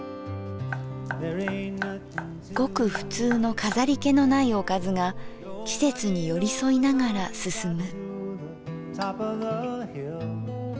ごくふつうの飾り気のないおかずが季節に寄り添いながら進む。